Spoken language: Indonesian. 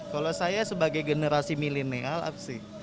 kalau saya sebagai generasi milenial apa sih